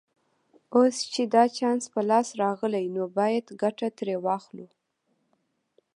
اوس چې دا چانس په لاس راغلی نو باید ګټه ترې واخلو